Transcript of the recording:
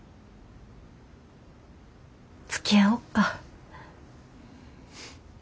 つきあおっか。